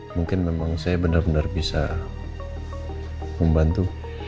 mungkin memang saya benar benar bisa membantu